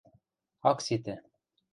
— Ак ситӹ...